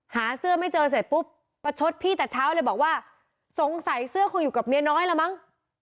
หาเสื้อไม่เจอเสร็จปุ๊บประชดพี่แต่เช้าเลยบอกว่าสงสัยเสื้อคงอยู่กับเมียน้อยละมั้ง